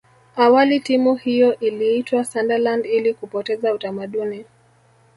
awali timu hiyo iliitwa sunderland ili kupoteza utamaduni